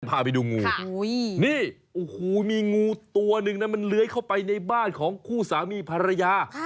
พาไปดูงูนี่โอ้โหมีงูตัวหนึ่งนะมันเลื้อยเข้าไปในบ้านของคู่สามีภรรยา